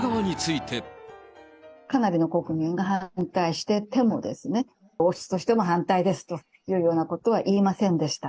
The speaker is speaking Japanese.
かなりの国民が反対しててもですね、王室としても反対ですというようなことは言いませんでした。